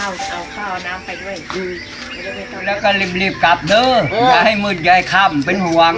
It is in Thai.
น้ำไปด้วยก็รีบกลับเถอะอย่าให้มืดใยข้ามเป็นหวัง